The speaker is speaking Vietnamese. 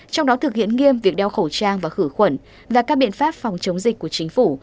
trong đó thực hiện nghiêm việc đeo khẩu trang và khử khuẩn và các biện pháp phòng chống dịch của chính phủ